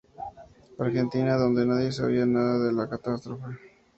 Argentina, donde nadie sabía nada de la catástrofe.